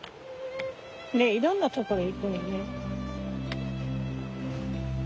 でいろんなところ行くのね。